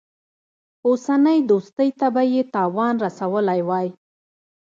اوسنۍ دوستۍ ته به یې تاوان رسولی وای.